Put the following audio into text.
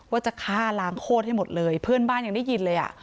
ว่าจะฆ่าล้างโคตรให้หมดเลยเพื่อนบ้านยังได้ยินเลยอ่ะ